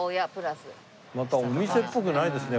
またお店っぽくないですね